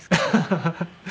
ハハハハ。